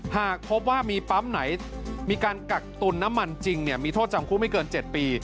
หากพบว่ามีปั๊มไหนมีการกักตุลน้ำมันจริงมีโทษจำคุกไม่เกิน๗ปี